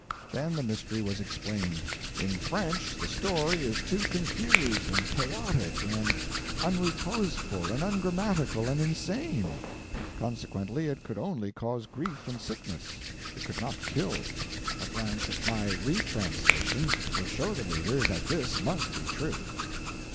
Then the mystery was explained. In French the story is too confused and chaotic and unreposeful and ungrammatical and insane; consequently it could only cause grief and sickness it could not kill. A glance at my retranslation will show the reader that this must be true.